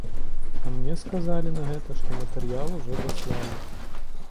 А мне сказалі на гэта, што матэрыял ужо даслалі.